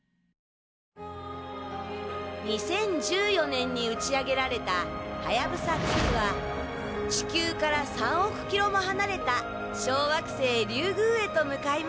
２０１４年に打ち上げられたはやぶさ２は地球から３億キロもはなれた小惑星リュウグウへと向かいました。